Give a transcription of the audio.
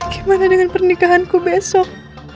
gimana dengan pernikahanku besok